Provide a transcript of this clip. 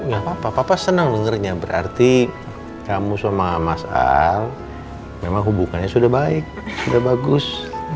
gak apa apa senang dengernya berarti kamu sama mas al memang hubungannya sudah baik sudah bagus